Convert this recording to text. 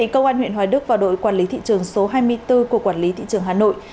công an huyện hoài đức và đội quản lý thị trường số hai mươi bốn của quản lý thị trường hà nội